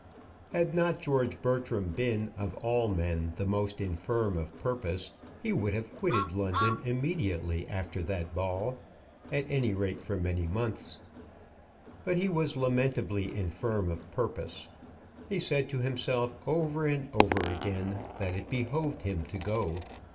Had not George Bertram been of all men the most infirm of purpose, he would have quitted London immediately after that ball at any rate, for many months. But he was lamentably infirm of purpose. He said to himself over and over again, that it behoved him to go.